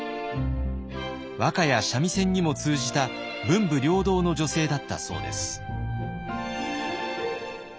和歌や三味線にも通じた文武両道の女性だったそうです。